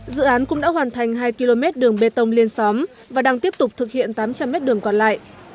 dự án cũng đã hoàn thành hai km đường bê tông liên xóm và đang tiếp tục thực hiện tám trăm linh mét đường còn lại